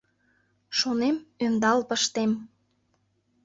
Шонем: ӧндал пыштем;